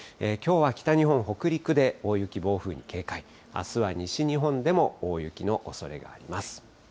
きょうは北日本、北陸で大雪、暴風に警戒、あすは西日本でも大雪のおそれがあります。